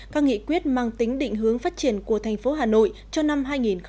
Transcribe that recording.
các nghị quyết mang tính định hướng phát triển của tp hà nội cho năm hai nghìn hai mươi một